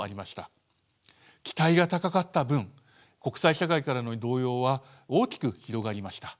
期待が高かった分国際社会からの動揺は大きく広がりました。